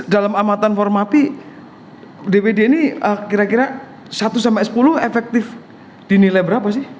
dalam amatan formapi dpd ini kira kira satu sama s sepuluh efektif di nilai berapa sih